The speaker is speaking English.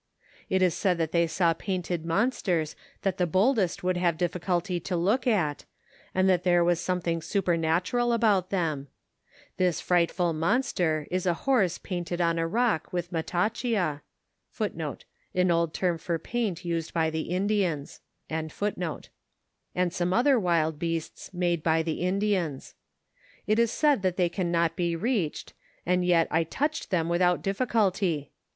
It is said that they saw painted monsters that the boldest would have difficulty to look at, and that there was something supernatural about them. This frightful monster is a horse painted on a rock with matachia,* and some other wild beasts made by the Indians. It is said that they can not be reached, and yet I touched them without difficulty.